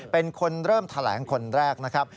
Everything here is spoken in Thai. เป็นคนเริ่มแถลงคนแรกนะครับ